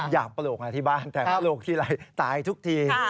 อยากปลูกอ่ะที่บ้านแต่ถ้าปลูกที่ไหนตายทุกที